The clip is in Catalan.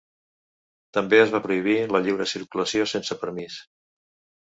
També es va prohibir la lliure circulació sense permís.